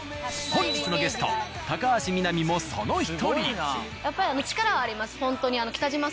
本日のゲスト高橋みなみもその１人。